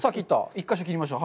１か所切りました。